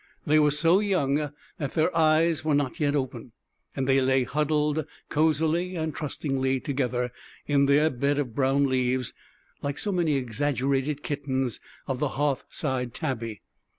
They were so young that their eyes were not yet open, and they lay huddled cosily and trustingly together, in their bed of brown leaves, like so many exaggerated kittens of the hearthside tabby.